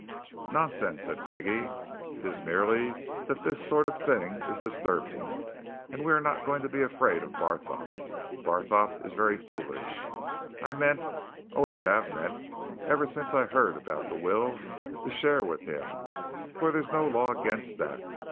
"Nonsense!" said Peggie. "It is merely that this sort of thing is disturbing. And we are not going to be afraid of Barthorpe. Barthorpe is very foolish. I meant always have meant, ever since I heard about the will to share with him, for there's no law against that.